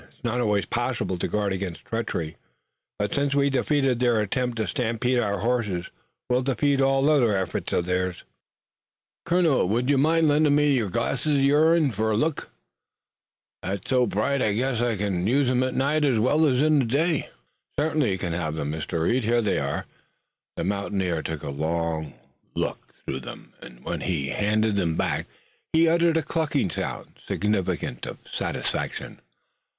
It's not always possible to guard against treachery, but since we've defeated their attempt to stampede our horses we'll defeat all other efforts of theirs." "Colonel, would you mind lendin' me them glasses uv yourn fur a look? The night's so bright I guess I kin use 'em nigh ez well ez in the day." "Certainly you can have them, Mr. Reed. Here they are." The mountaineer took a long look through them, and when he handed them back he uttered a clucking sound, significant of satisfaction.